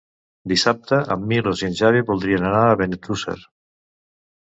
Dissabte en Milos i en Xavi voldrien anar a Benetússer.